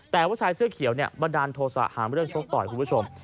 แต่ว่าชายเสื้อเขียวเนี่ยบันดาลโทษะหาเรื่องชกต่อยคุณผู้ชม